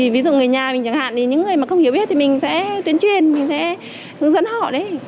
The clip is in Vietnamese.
ví dụ người nhà mình chẳng hạn thì những người mà không hiểu biết thì mình sẽ tuyên truyền mình sẽ hướng dẫn họ đấy